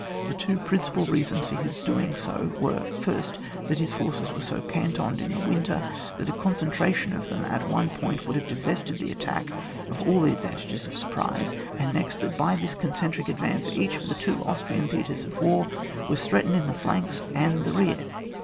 The two principal rea sons for his doing so were, first, that his forces were so cantoned in the winter that a concentration of them at one point would have divested the attack of aU the advantages of a surprise ; and next, that by this concentric advance, each of the two Austrian theatres of war was threatened in the flanks and the rear.